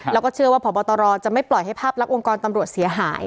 แล้วก็เชื่อว่าพบตรจะไม่ปล่อยให้ภาพลักษณ์องค์กรตำรวจเสียหาย